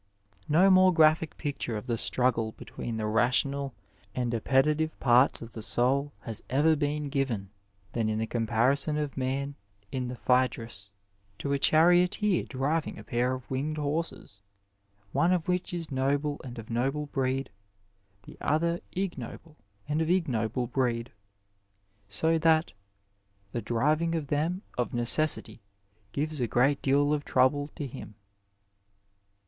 ^ No more graphic picture of the struggle between the rational and appetitive parts of the soul has ever been given than in the comparison of man in the Phcedrus to a charioteer driving a pair of winged horses, one of which is noble and of noble breed ; the other ignoble and of ignoble breed, so that " the driving of them of necessity gives a great deal of trouble to him."